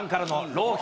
朗希！